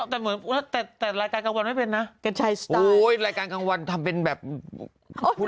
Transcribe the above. อย่าจะหลีบแต่ละกับวันไม่เป็นนะชัยควรแบบมีผู้